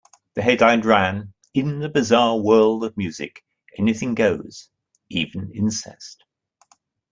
The headline ran, In the bizarre world of music... anything goes - even incest.